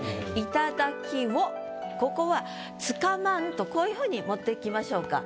ここは「掴まん」とこういう風に持っていきましょうか。